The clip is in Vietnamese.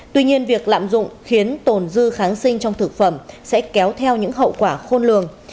tuy nhiên việc lạm dụng khiến tồn dư kháng sinh trong thực phẩm sẽ kéo theo những hậu quả khôn lường